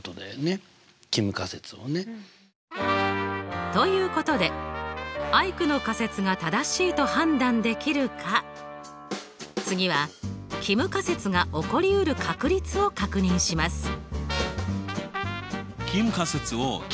帰無仮説をね。ということでアイクの仮説が正しいと判断できるか次は帰無仮説が起こりうる確率を確認します。